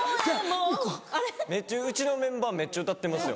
うちのメンバーめっちゃ歌ってますよ。